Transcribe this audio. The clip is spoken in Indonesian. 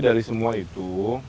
dari semua itu